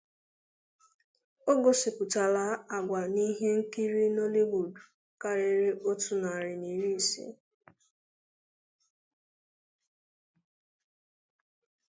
Ọ gosipụtala agwa n'ihe nkiri Nollywood karịrị otu narị na iri ise.